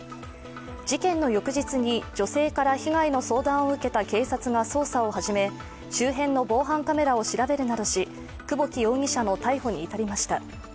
事件の翌日に女性から被害の相談を受けた警察が捜査を始め周辺の防犯カメラを調べるなどし、久保木容疑者の逮捕に至りました。